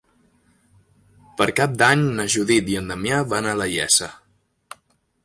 Per Cap d'Any na Judit i en Damià van a la Iessa.